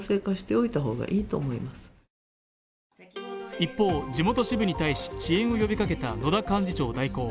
一方、地元支部に対し支援を呼びかけた野田幹事長代行。